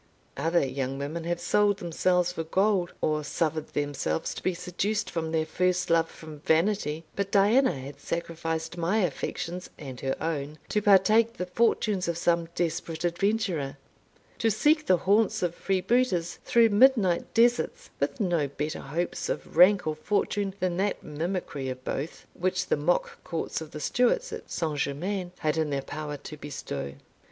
Other young women have sold themselves for gold, or suffered themselves to be seduced from their first love from vanity; but Diana had sacrificed my affections and her own to partake the fortunes of some desperate adventurer to seek the haunts of freebooters through midnight deserts, with no better hopes of rank or fortune than that mimicry of both which the mock court of the Stuarts at St. Germains had in their power to bestow.